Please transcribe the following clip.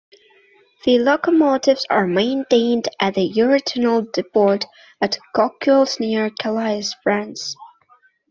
The locomotives are maintained at the Eurotunnel depot at Coquelles near Calais, France.